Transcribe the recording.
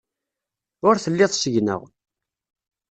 Ur telliḍ seg-neɣ.